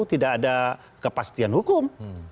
tidak ada kepastian hukum